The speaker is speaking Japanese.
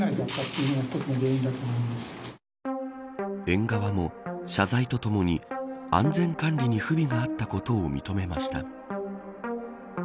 園側も謝罪とともに安全管理に不備があったことを認めました。